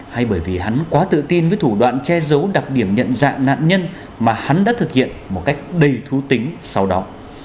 hay bởi vì hắn quá tự tin với thủ đoạn che giấu đặc điểm nhận dạng nạn nhân mà hắn đã thực hiện một cách đầy thú tính sau đó